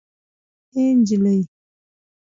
اي نجلۍ